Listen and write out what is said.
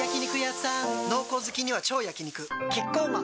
濃厚好きには超焼肉キッコーマン